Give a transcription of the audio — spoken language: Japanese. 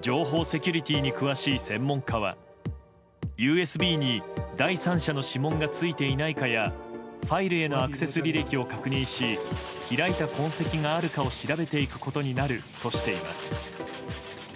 情報セキュリティーに詳しい専門家はＵＳＢに第三者の指紋がついていないかやファイルへのアクセス履歴を確認し開いた痕跡があるかを調べていくことになるとしています。